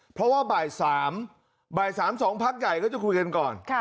เพราะว่าบ่าย๓บ่าย๓๒พักใหญ่ก็จะคุยกันก่อน